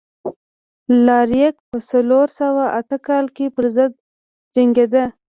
الاریک په څلور سوه اته کال کې پرضد جنګېده.